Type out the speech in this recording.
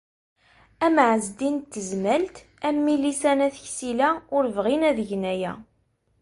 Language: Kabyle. Am Ɛezdin n Tezmalt, am Milisa n At Ksila, ur bɣin ad gen aya.